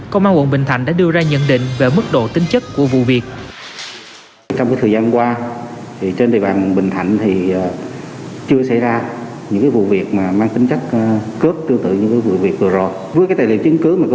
công an quận bình thạnh đã đưa ra nhận định về mức độ tính chất của vụ việc